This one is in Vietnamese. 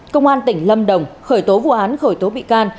công an tỉnh lâm đồng khởi tố vụ án khởi tố bị can